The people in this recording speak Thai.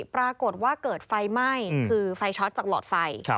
ปรากฏว่าเกิดไฟไหม้คือไฟช็อตจากหลอดไฟ